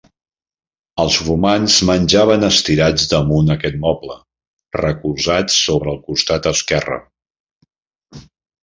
Els romans menjaven estirats damunt aquests mobles, recolzats sobre el costat esquerre.